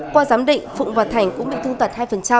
qua giám định phụng và thành cũng bị thương tật hai